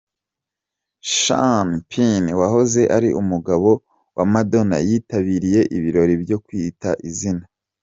Sean Penn wahoze ari umugabo wa Madonna yitabiriye ibirori byo Kwita Izina